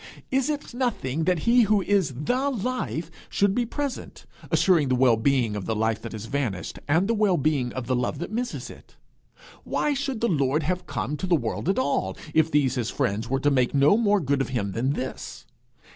Is it nothing that he who is the life should be present, assuring the well being of the life that has vanished, and the well being of the love that misses it? Why should the Lord have come to the world at all, if these his friends were to take no more good of him than this?